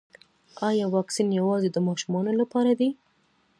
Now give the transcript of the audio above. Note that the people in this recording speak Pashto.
ایا واکسین یوازې د ماشومانو لپاره دی